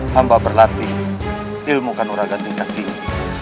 hamba berlatih ilmu kanoraga tingkat tinggi